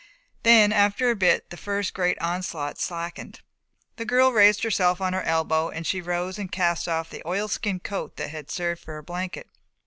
Then after a bit the first great onslaught slackened. The girl raised herself on her elbow, then she rose and cast off the oilskin coat that had served for a blanket.